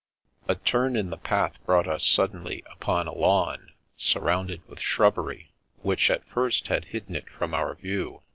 A turn in the path brought us suddenly upon a lawn, surrounded with shrubbery which at first had hidden it from our view.